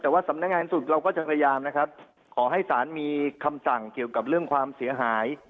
แต่ว่าสำนักงานสุดเราก็จะพยายามนะครับขอให้ศาลมีคำสั่งเกี่ยวกับเรื่องความเสียหาย